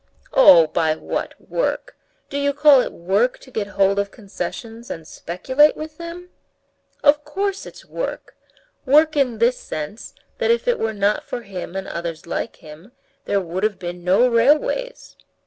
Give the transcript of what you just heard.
"Oh, by what work? Do you call it work to get hold of concessions and speculate with them?" "Of course it's work. Work in this sense, that if it were not for him and others like him, there would have been no railways."